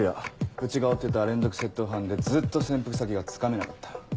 うちが追ってた連続窃盗犯でずっと潜伏先がつかめなかった。